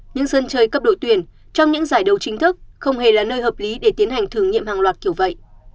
những sân chơi cấp đội tuyển trong những giải đấu chính thức không hề là nơi hợp lý để tiến hành thử nghiệm hàng loạt kiểu vậy